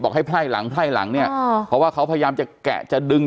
ให้ไพ่หลังไพ่หลังเนี่ยเพราะว่าเขาพยายามจะแกะจะดึง